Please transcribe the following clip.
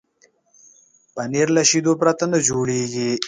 پنېر له شيدو پرته نه جوړېږي.